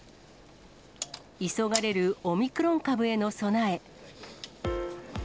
急がれるオミクロン株への備え。